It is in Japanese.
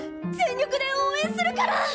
全力で応援するから！